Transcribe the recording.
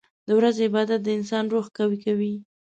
• د ورځې عبادت د انسان روح قوي کوي.